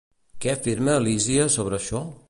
Què afirma Lísies sobre això?